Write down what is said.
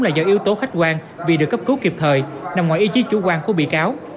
là do yếu tố khách quan vì được cấp cứu kịp thời nằm ngoài ý chí chủ quan của bị cáo